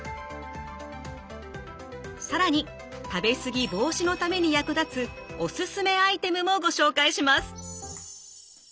更に食べすぎ防止のために役立つおすすめアイテムもご紹介します。